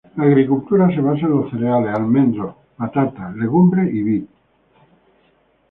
La agricultura se basa en los cereales, almendros, patatas, legumbres y vid.